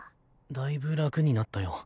だいぶ楽になったよ。